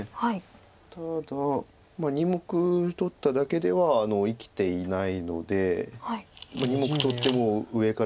ただ２目取っただけでは生きていないので２目取っても上から。